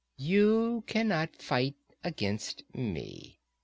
You cannot fight against me.